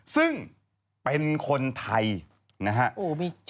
ซึ่งเป็นคนไทยนะครับ